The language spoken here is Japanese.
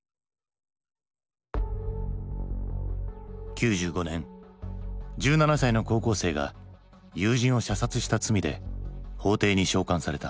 ９５年１７歳の高校生が友人を射殺した罪で法廷に召喚された。